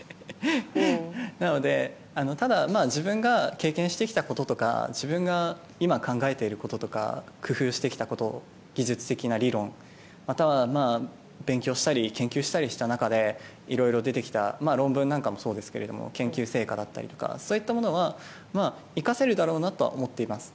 なので、自分が経験してきたこととか自分が今、考えていることとか工夫してきたこと技術的な理論、また勉強したり研究したりした中でいろいろ出てきた論文なんかもそうですけど研究成果だったりといったものは生かせるだろうなとは思っています。